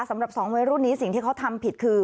สองวัยรุ่นนี้สิ่งที่เขาทำผิดคือ